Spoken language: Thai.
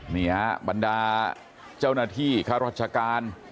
นี่ฮะบรรดาเจ้าหน้าที่ข้าราชการ